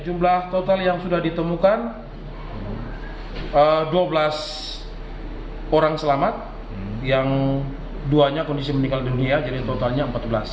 jumlah total yang sudah ditemukan dua belas orang selamat yang duanya kondisi meninggal dunia jadi totalnya empat belas